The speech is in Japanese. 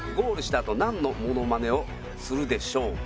あとなんのモノマネをするでしょうか。